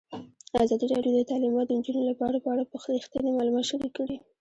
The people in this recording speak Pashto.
ازادي راډیو د تعلیمات د نجونو لپاره په اړه رښتیني معلومات شریک کړي.